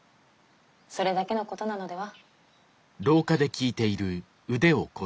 それだけのことなのでは？